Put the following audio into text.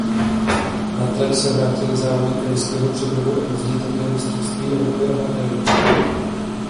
Na trať se vrátily závody krajského přeboru a později také mistrovství Evropy amatérů.